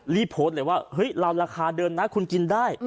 รีบโพสต์เลยว่าเราราคาเดินนะคุณกินได้